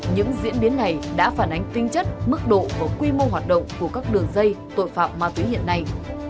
những diễn biến này đã phản ánh tinh chất mức độ và quy mô hoạt động của các đường dây tội phạm ma túy hiện nay